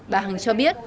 bà hằng cho biết